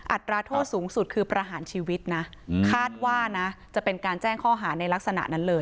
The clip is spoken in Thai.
อัตราโทษสูงสุดคือประหารชีวิตนะคาดว่านะจะเป็นการแจ้งข้อหาในลักษณะนั้นเลย